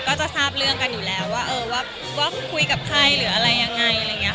ก็จะทราบเรื่องกันอยู่แล้วว่าคุยกับใครหรืออะไรยังไง